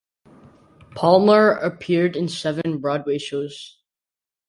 Palmer appeared in seven Broadway shows.